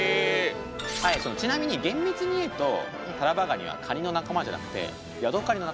ちなみに厳密に言うとタラバガニはカニの仲間じゃなくてヤドカリの仲間なんですね。